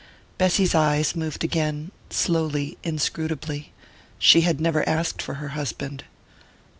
Bessy's eyes moved again, slowly, inscrutably. She had never asked for her husband.